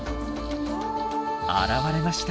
現れました。